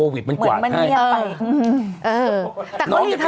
เหมือนมันเงียบไป